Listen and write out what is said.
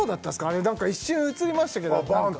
あれ何か一瞬映りましたけどあっ